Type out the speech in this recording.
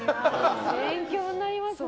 勉強になりますね。